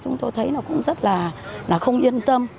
chúng tôi thấy nó cũng rất là không yên tâm